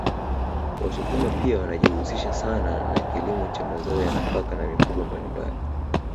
Wasukuma pia wanajihusisha sana na kilimo cha mazao ya nafaka na mifugo mbalimbali